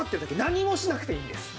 何もしなくていいんです。